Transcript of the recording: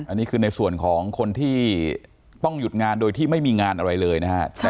อันนี้คือในส่วนของคนที่ต้องหยุดงานโดยที่ไม่มีงานอะไรเลยนะครับ